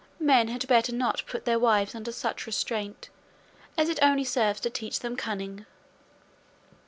Men had better not put their wives under such restraint, as it only serves to teach them cunning."